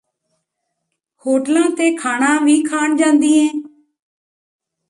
ਹੋਟਲਾਂ ਤੇ ਖਾਣਾ ਵੀ ਖਾਣ ਜਾਂਦੀ ਏਂ